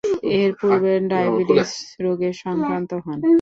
এরপূর্বে ডায়াবেটিস রোগে আক্রান্ত হন।